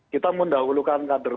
kita mendahulukan kader